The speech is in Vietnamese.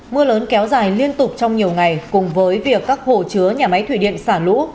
mưa lớn kéo dài liên tục trong nhiều ngày cùng với việc các hồ chứa nhà máy thủy điện xả lũ